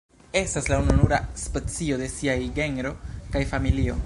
Estas la ununura specio de siaj genro kaj familio.